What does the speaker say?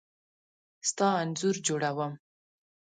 ستا انځور جوړوم .